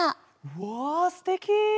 わすてき！